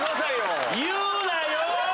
言うなよ！